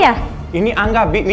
ntahinan nggak sih